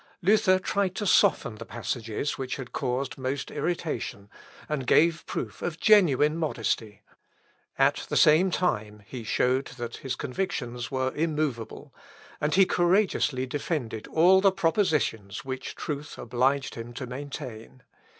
Luther tried to soften the passages which had caused most irritation, and gave proof of genuine modesty. At the same time, he showed that his convictions were immovable; and he courageously defended all the propositions which truth obliged him to maintain.